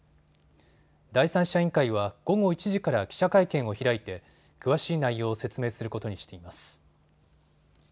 第三者委員会は午後１時から記者会見を開いて詳しい内容を説明することにしています。